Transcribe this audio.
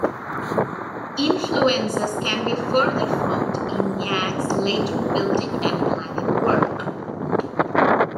Influences can be further found in Yeang's later building and planning work.